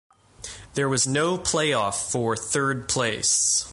There was no playoff for third place.